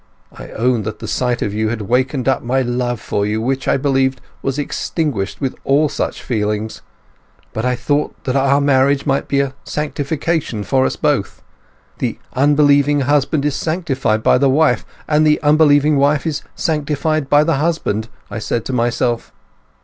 I own that the sight of you had waked up my love for you, which, I believed, was extinguished with all such feelings. But I thought that our marriage might be a sanctification for us both. 'The unbelieving husband is sanctified by the wife, and the unbelieving wife is sanctified by the husband,' I said to myself.